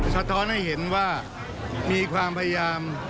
สะท้อนให้เห็นว่ามีความพยายาม